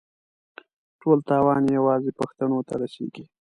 ټول تاوان یې یوازې پښتنو ته رسېږي.